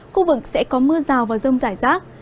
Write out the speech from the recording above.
khu vực sẽ có mưa rào và rông rải rác